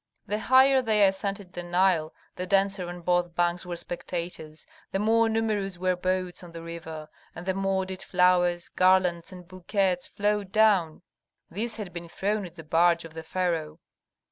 The higher they ascended the Nile the denser on both banks were spectators, the more numerous were boats on the river, and the more did flowers, garlands, and bouquets float down; these had been thrown at the barge of the pharaoh.